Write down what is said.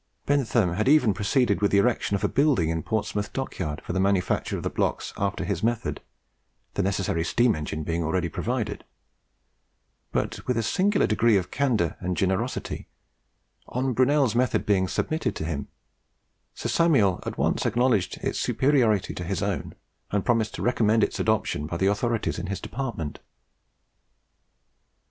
Bentham had even proceeded with the erection of a building in Portsmouth Dockyard for the manufacture of the blocks after his method, the necessary steam engine being already provided; but with a singular degree of candour and generosity, on Brunel's method being submitted to him, Sir Samuel at once acknowledged its superiority to his own, and promised to recommend its adoption by the authorities in his department.